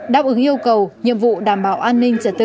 đáp ứng yêu cầu nhiệm vụ đảm bảo an ninh trật tự